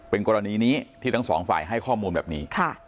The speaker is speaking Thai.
เป็นกรณีนี้ที่ทั้งสองฝ่ายให้ข้อมูลแบบนี้